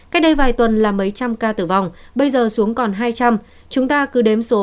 cách đây vài tuần là mấy trăm ca tử vong bây giờ xuống còn hai trăm